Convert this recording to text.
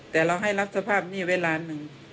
แต่เราให้รับสภาพหนี้ไว้ล้านหนึ่ง